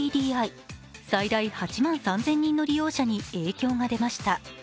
最大８万３０００人の利用者に影響が出ました。